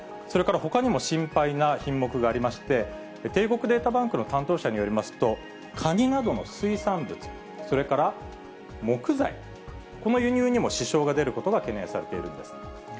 それから、ほかにも心配な品目がありまして、帝国データバンクの担当者によりますと、カニなどの水産物、それから木材、この輸入にも支障が出ることが懸念されているんです。